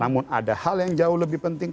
namun ada hal yang jauh lebih penting